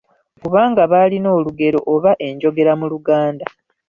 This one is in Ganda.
Kubanga baalina olugero oba enjogera mu Luganda.